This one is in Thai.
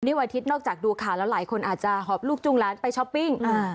นี่วันอาทิตย์นอกจากดูข่าวแล้วหลายคนอาจจะหอบลูกจุงล้านไปช้อปปิ้ง